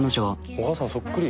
お母さんそっくり。